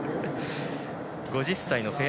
５０歳のフェア